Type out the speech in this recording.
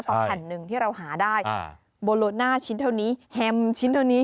แผ่นหนึ่งที่เราหาได้โบโลน่าชิ้นเท่านี้แฮมชิ้นเท่านี้